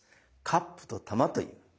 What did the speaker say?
カップと玉という。